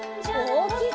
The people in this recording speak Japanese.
おおきく！